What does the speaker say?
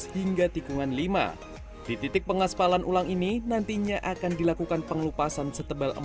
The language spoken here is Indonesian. hingga tikungan lima di titik pengaspalan ulang ini nantinya akan dilakukan pengelupasan setebal